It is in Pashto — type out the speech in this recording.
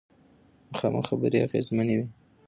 مخامخ خبرې اغیزمنې وي.